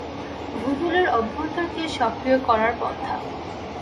ভূতলের অভ্যন্তরকে সক্রিয় করার পন্থা।